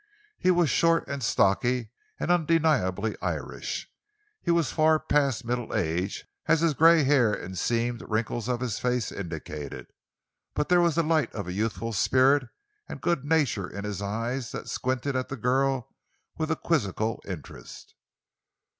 He was short and stocky, and undeniably Irish. He was far past middle age, as his gray hair and seamed wrinkles of his face indicated; but there was the light of a youthful spirit and good nature in his eyes that squinted at the girl with a quizzical interest.